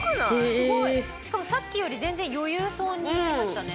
すごい！しかもさっきより全然余裕そうにいきましたね。